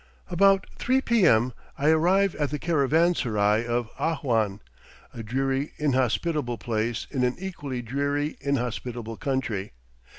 About three p.m. I arrive at the caravansarai of Ahwan, a dreary, inhospitable place in an equally dreary, inhospitable country.